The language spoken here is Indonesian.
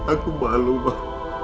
aku malu pak